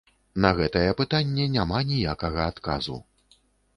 На гэтае пытанне няма ніякага адказу.